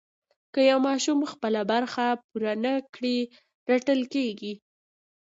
که یو ماشوم خپله برخه پوره نه کړي رټل کېږي.